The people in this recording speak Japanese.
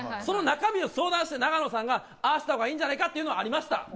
その中身を相談して永野さんが「ああした方がいいんじゃないか」っていうのはありました。